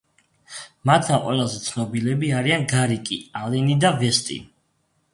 მათგან ყველაზე ცნობილები არიან გარიკი, ალენი და ვესტი.